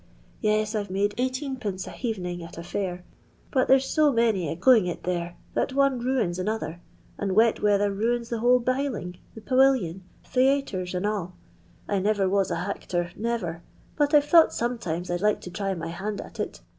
Yes, I've made 18<i. a hevening atafsir; but there's so many a going it there that one rains another, and wet weather ruins the whole biling, the pawillion, theaytrcs and alL I never was a hactor, never ; but I 've thought sometimes I 'd like to try my hand at it.